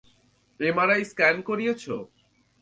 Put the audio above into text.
MRI scan করিয়েছ?